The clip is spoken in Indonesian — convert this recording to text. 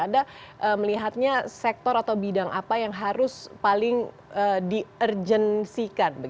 anda melihatnya sektor atau bidang apa yang harus paling di urgensikan